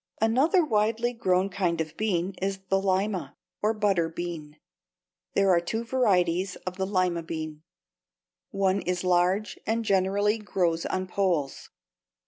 Another widely grown kind of bean is the lima, or butter, bean. There are two varieties of the lima bean. One is large and generally grows on poles.